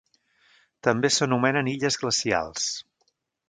També s'anomenen illes glacials.